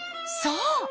そう！